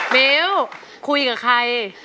มิ้วคุยกับใคร